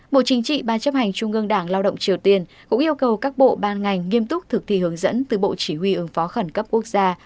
bộ chính trị ban chấp hành trung ương đảng lao động triều tiên cũng yêu cầu các bộ ban ngành nghiêm túc thực thi hướng dẫn từ bộ chỉ huy ứng phó khẩn cấp quốc gia